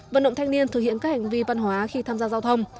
vận động thanh niên thực hiện các hành vi văn hóa khi tham gia giao thông